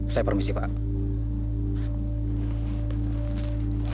saya permisi pak